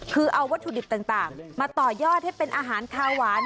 คือเอาวัตถุดิบต่างมาต่อยอดให้เป็นอาหารคาหวาน